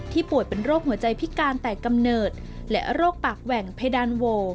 ป่วยเป็นโรคหัวใจพิการแต่กำเนิดและโรคปากแหว่งเพดานโว